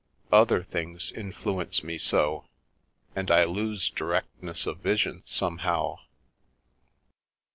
Other things influence me so, and I lose directness of vision, somehow."